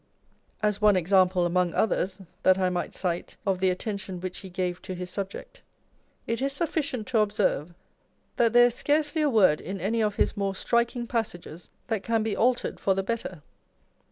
As one example among others that I might cite of the attention which he gave to his subject, it is sufficient to observe, that there is scarcely a word in any of his more striking passages that can be altered for the better.